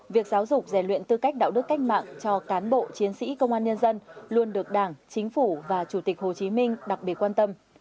việc giáo dục rèn luyện tư cách đạo đức cách mạng cho cán bộ chiến sĩ công an nhân dân luôn được đảng chính phủ và chủ tịch hồ chí minh đặc biệt quan tâm